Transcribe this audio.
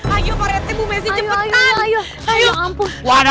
ayo pak rt bu messi cepetan